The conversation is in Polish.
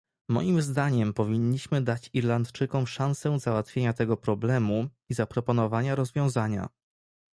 Moim zdaniem powinniśmy dać Irlandczykom szansę załatwienia tego problemu i zaproponowania rozwiązania